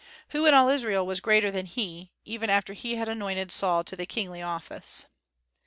Who in all Israel was greater than he, even after he had anointed Saul to the kingly office?